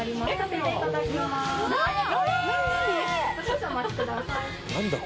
少々お待ちください。